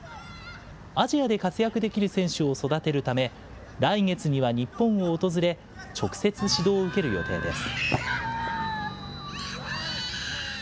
アジアで活躍できる選手を育てるため、来月には日本を訪れ、直接指導を受ける予定です。